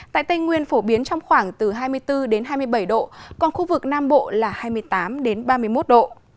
tại tây nguyên phổ biến trong khoảng từ hai mươi bốn hai mươi bảy độ còn khu vực nam bộ là hai mươi tám ba mươi một độ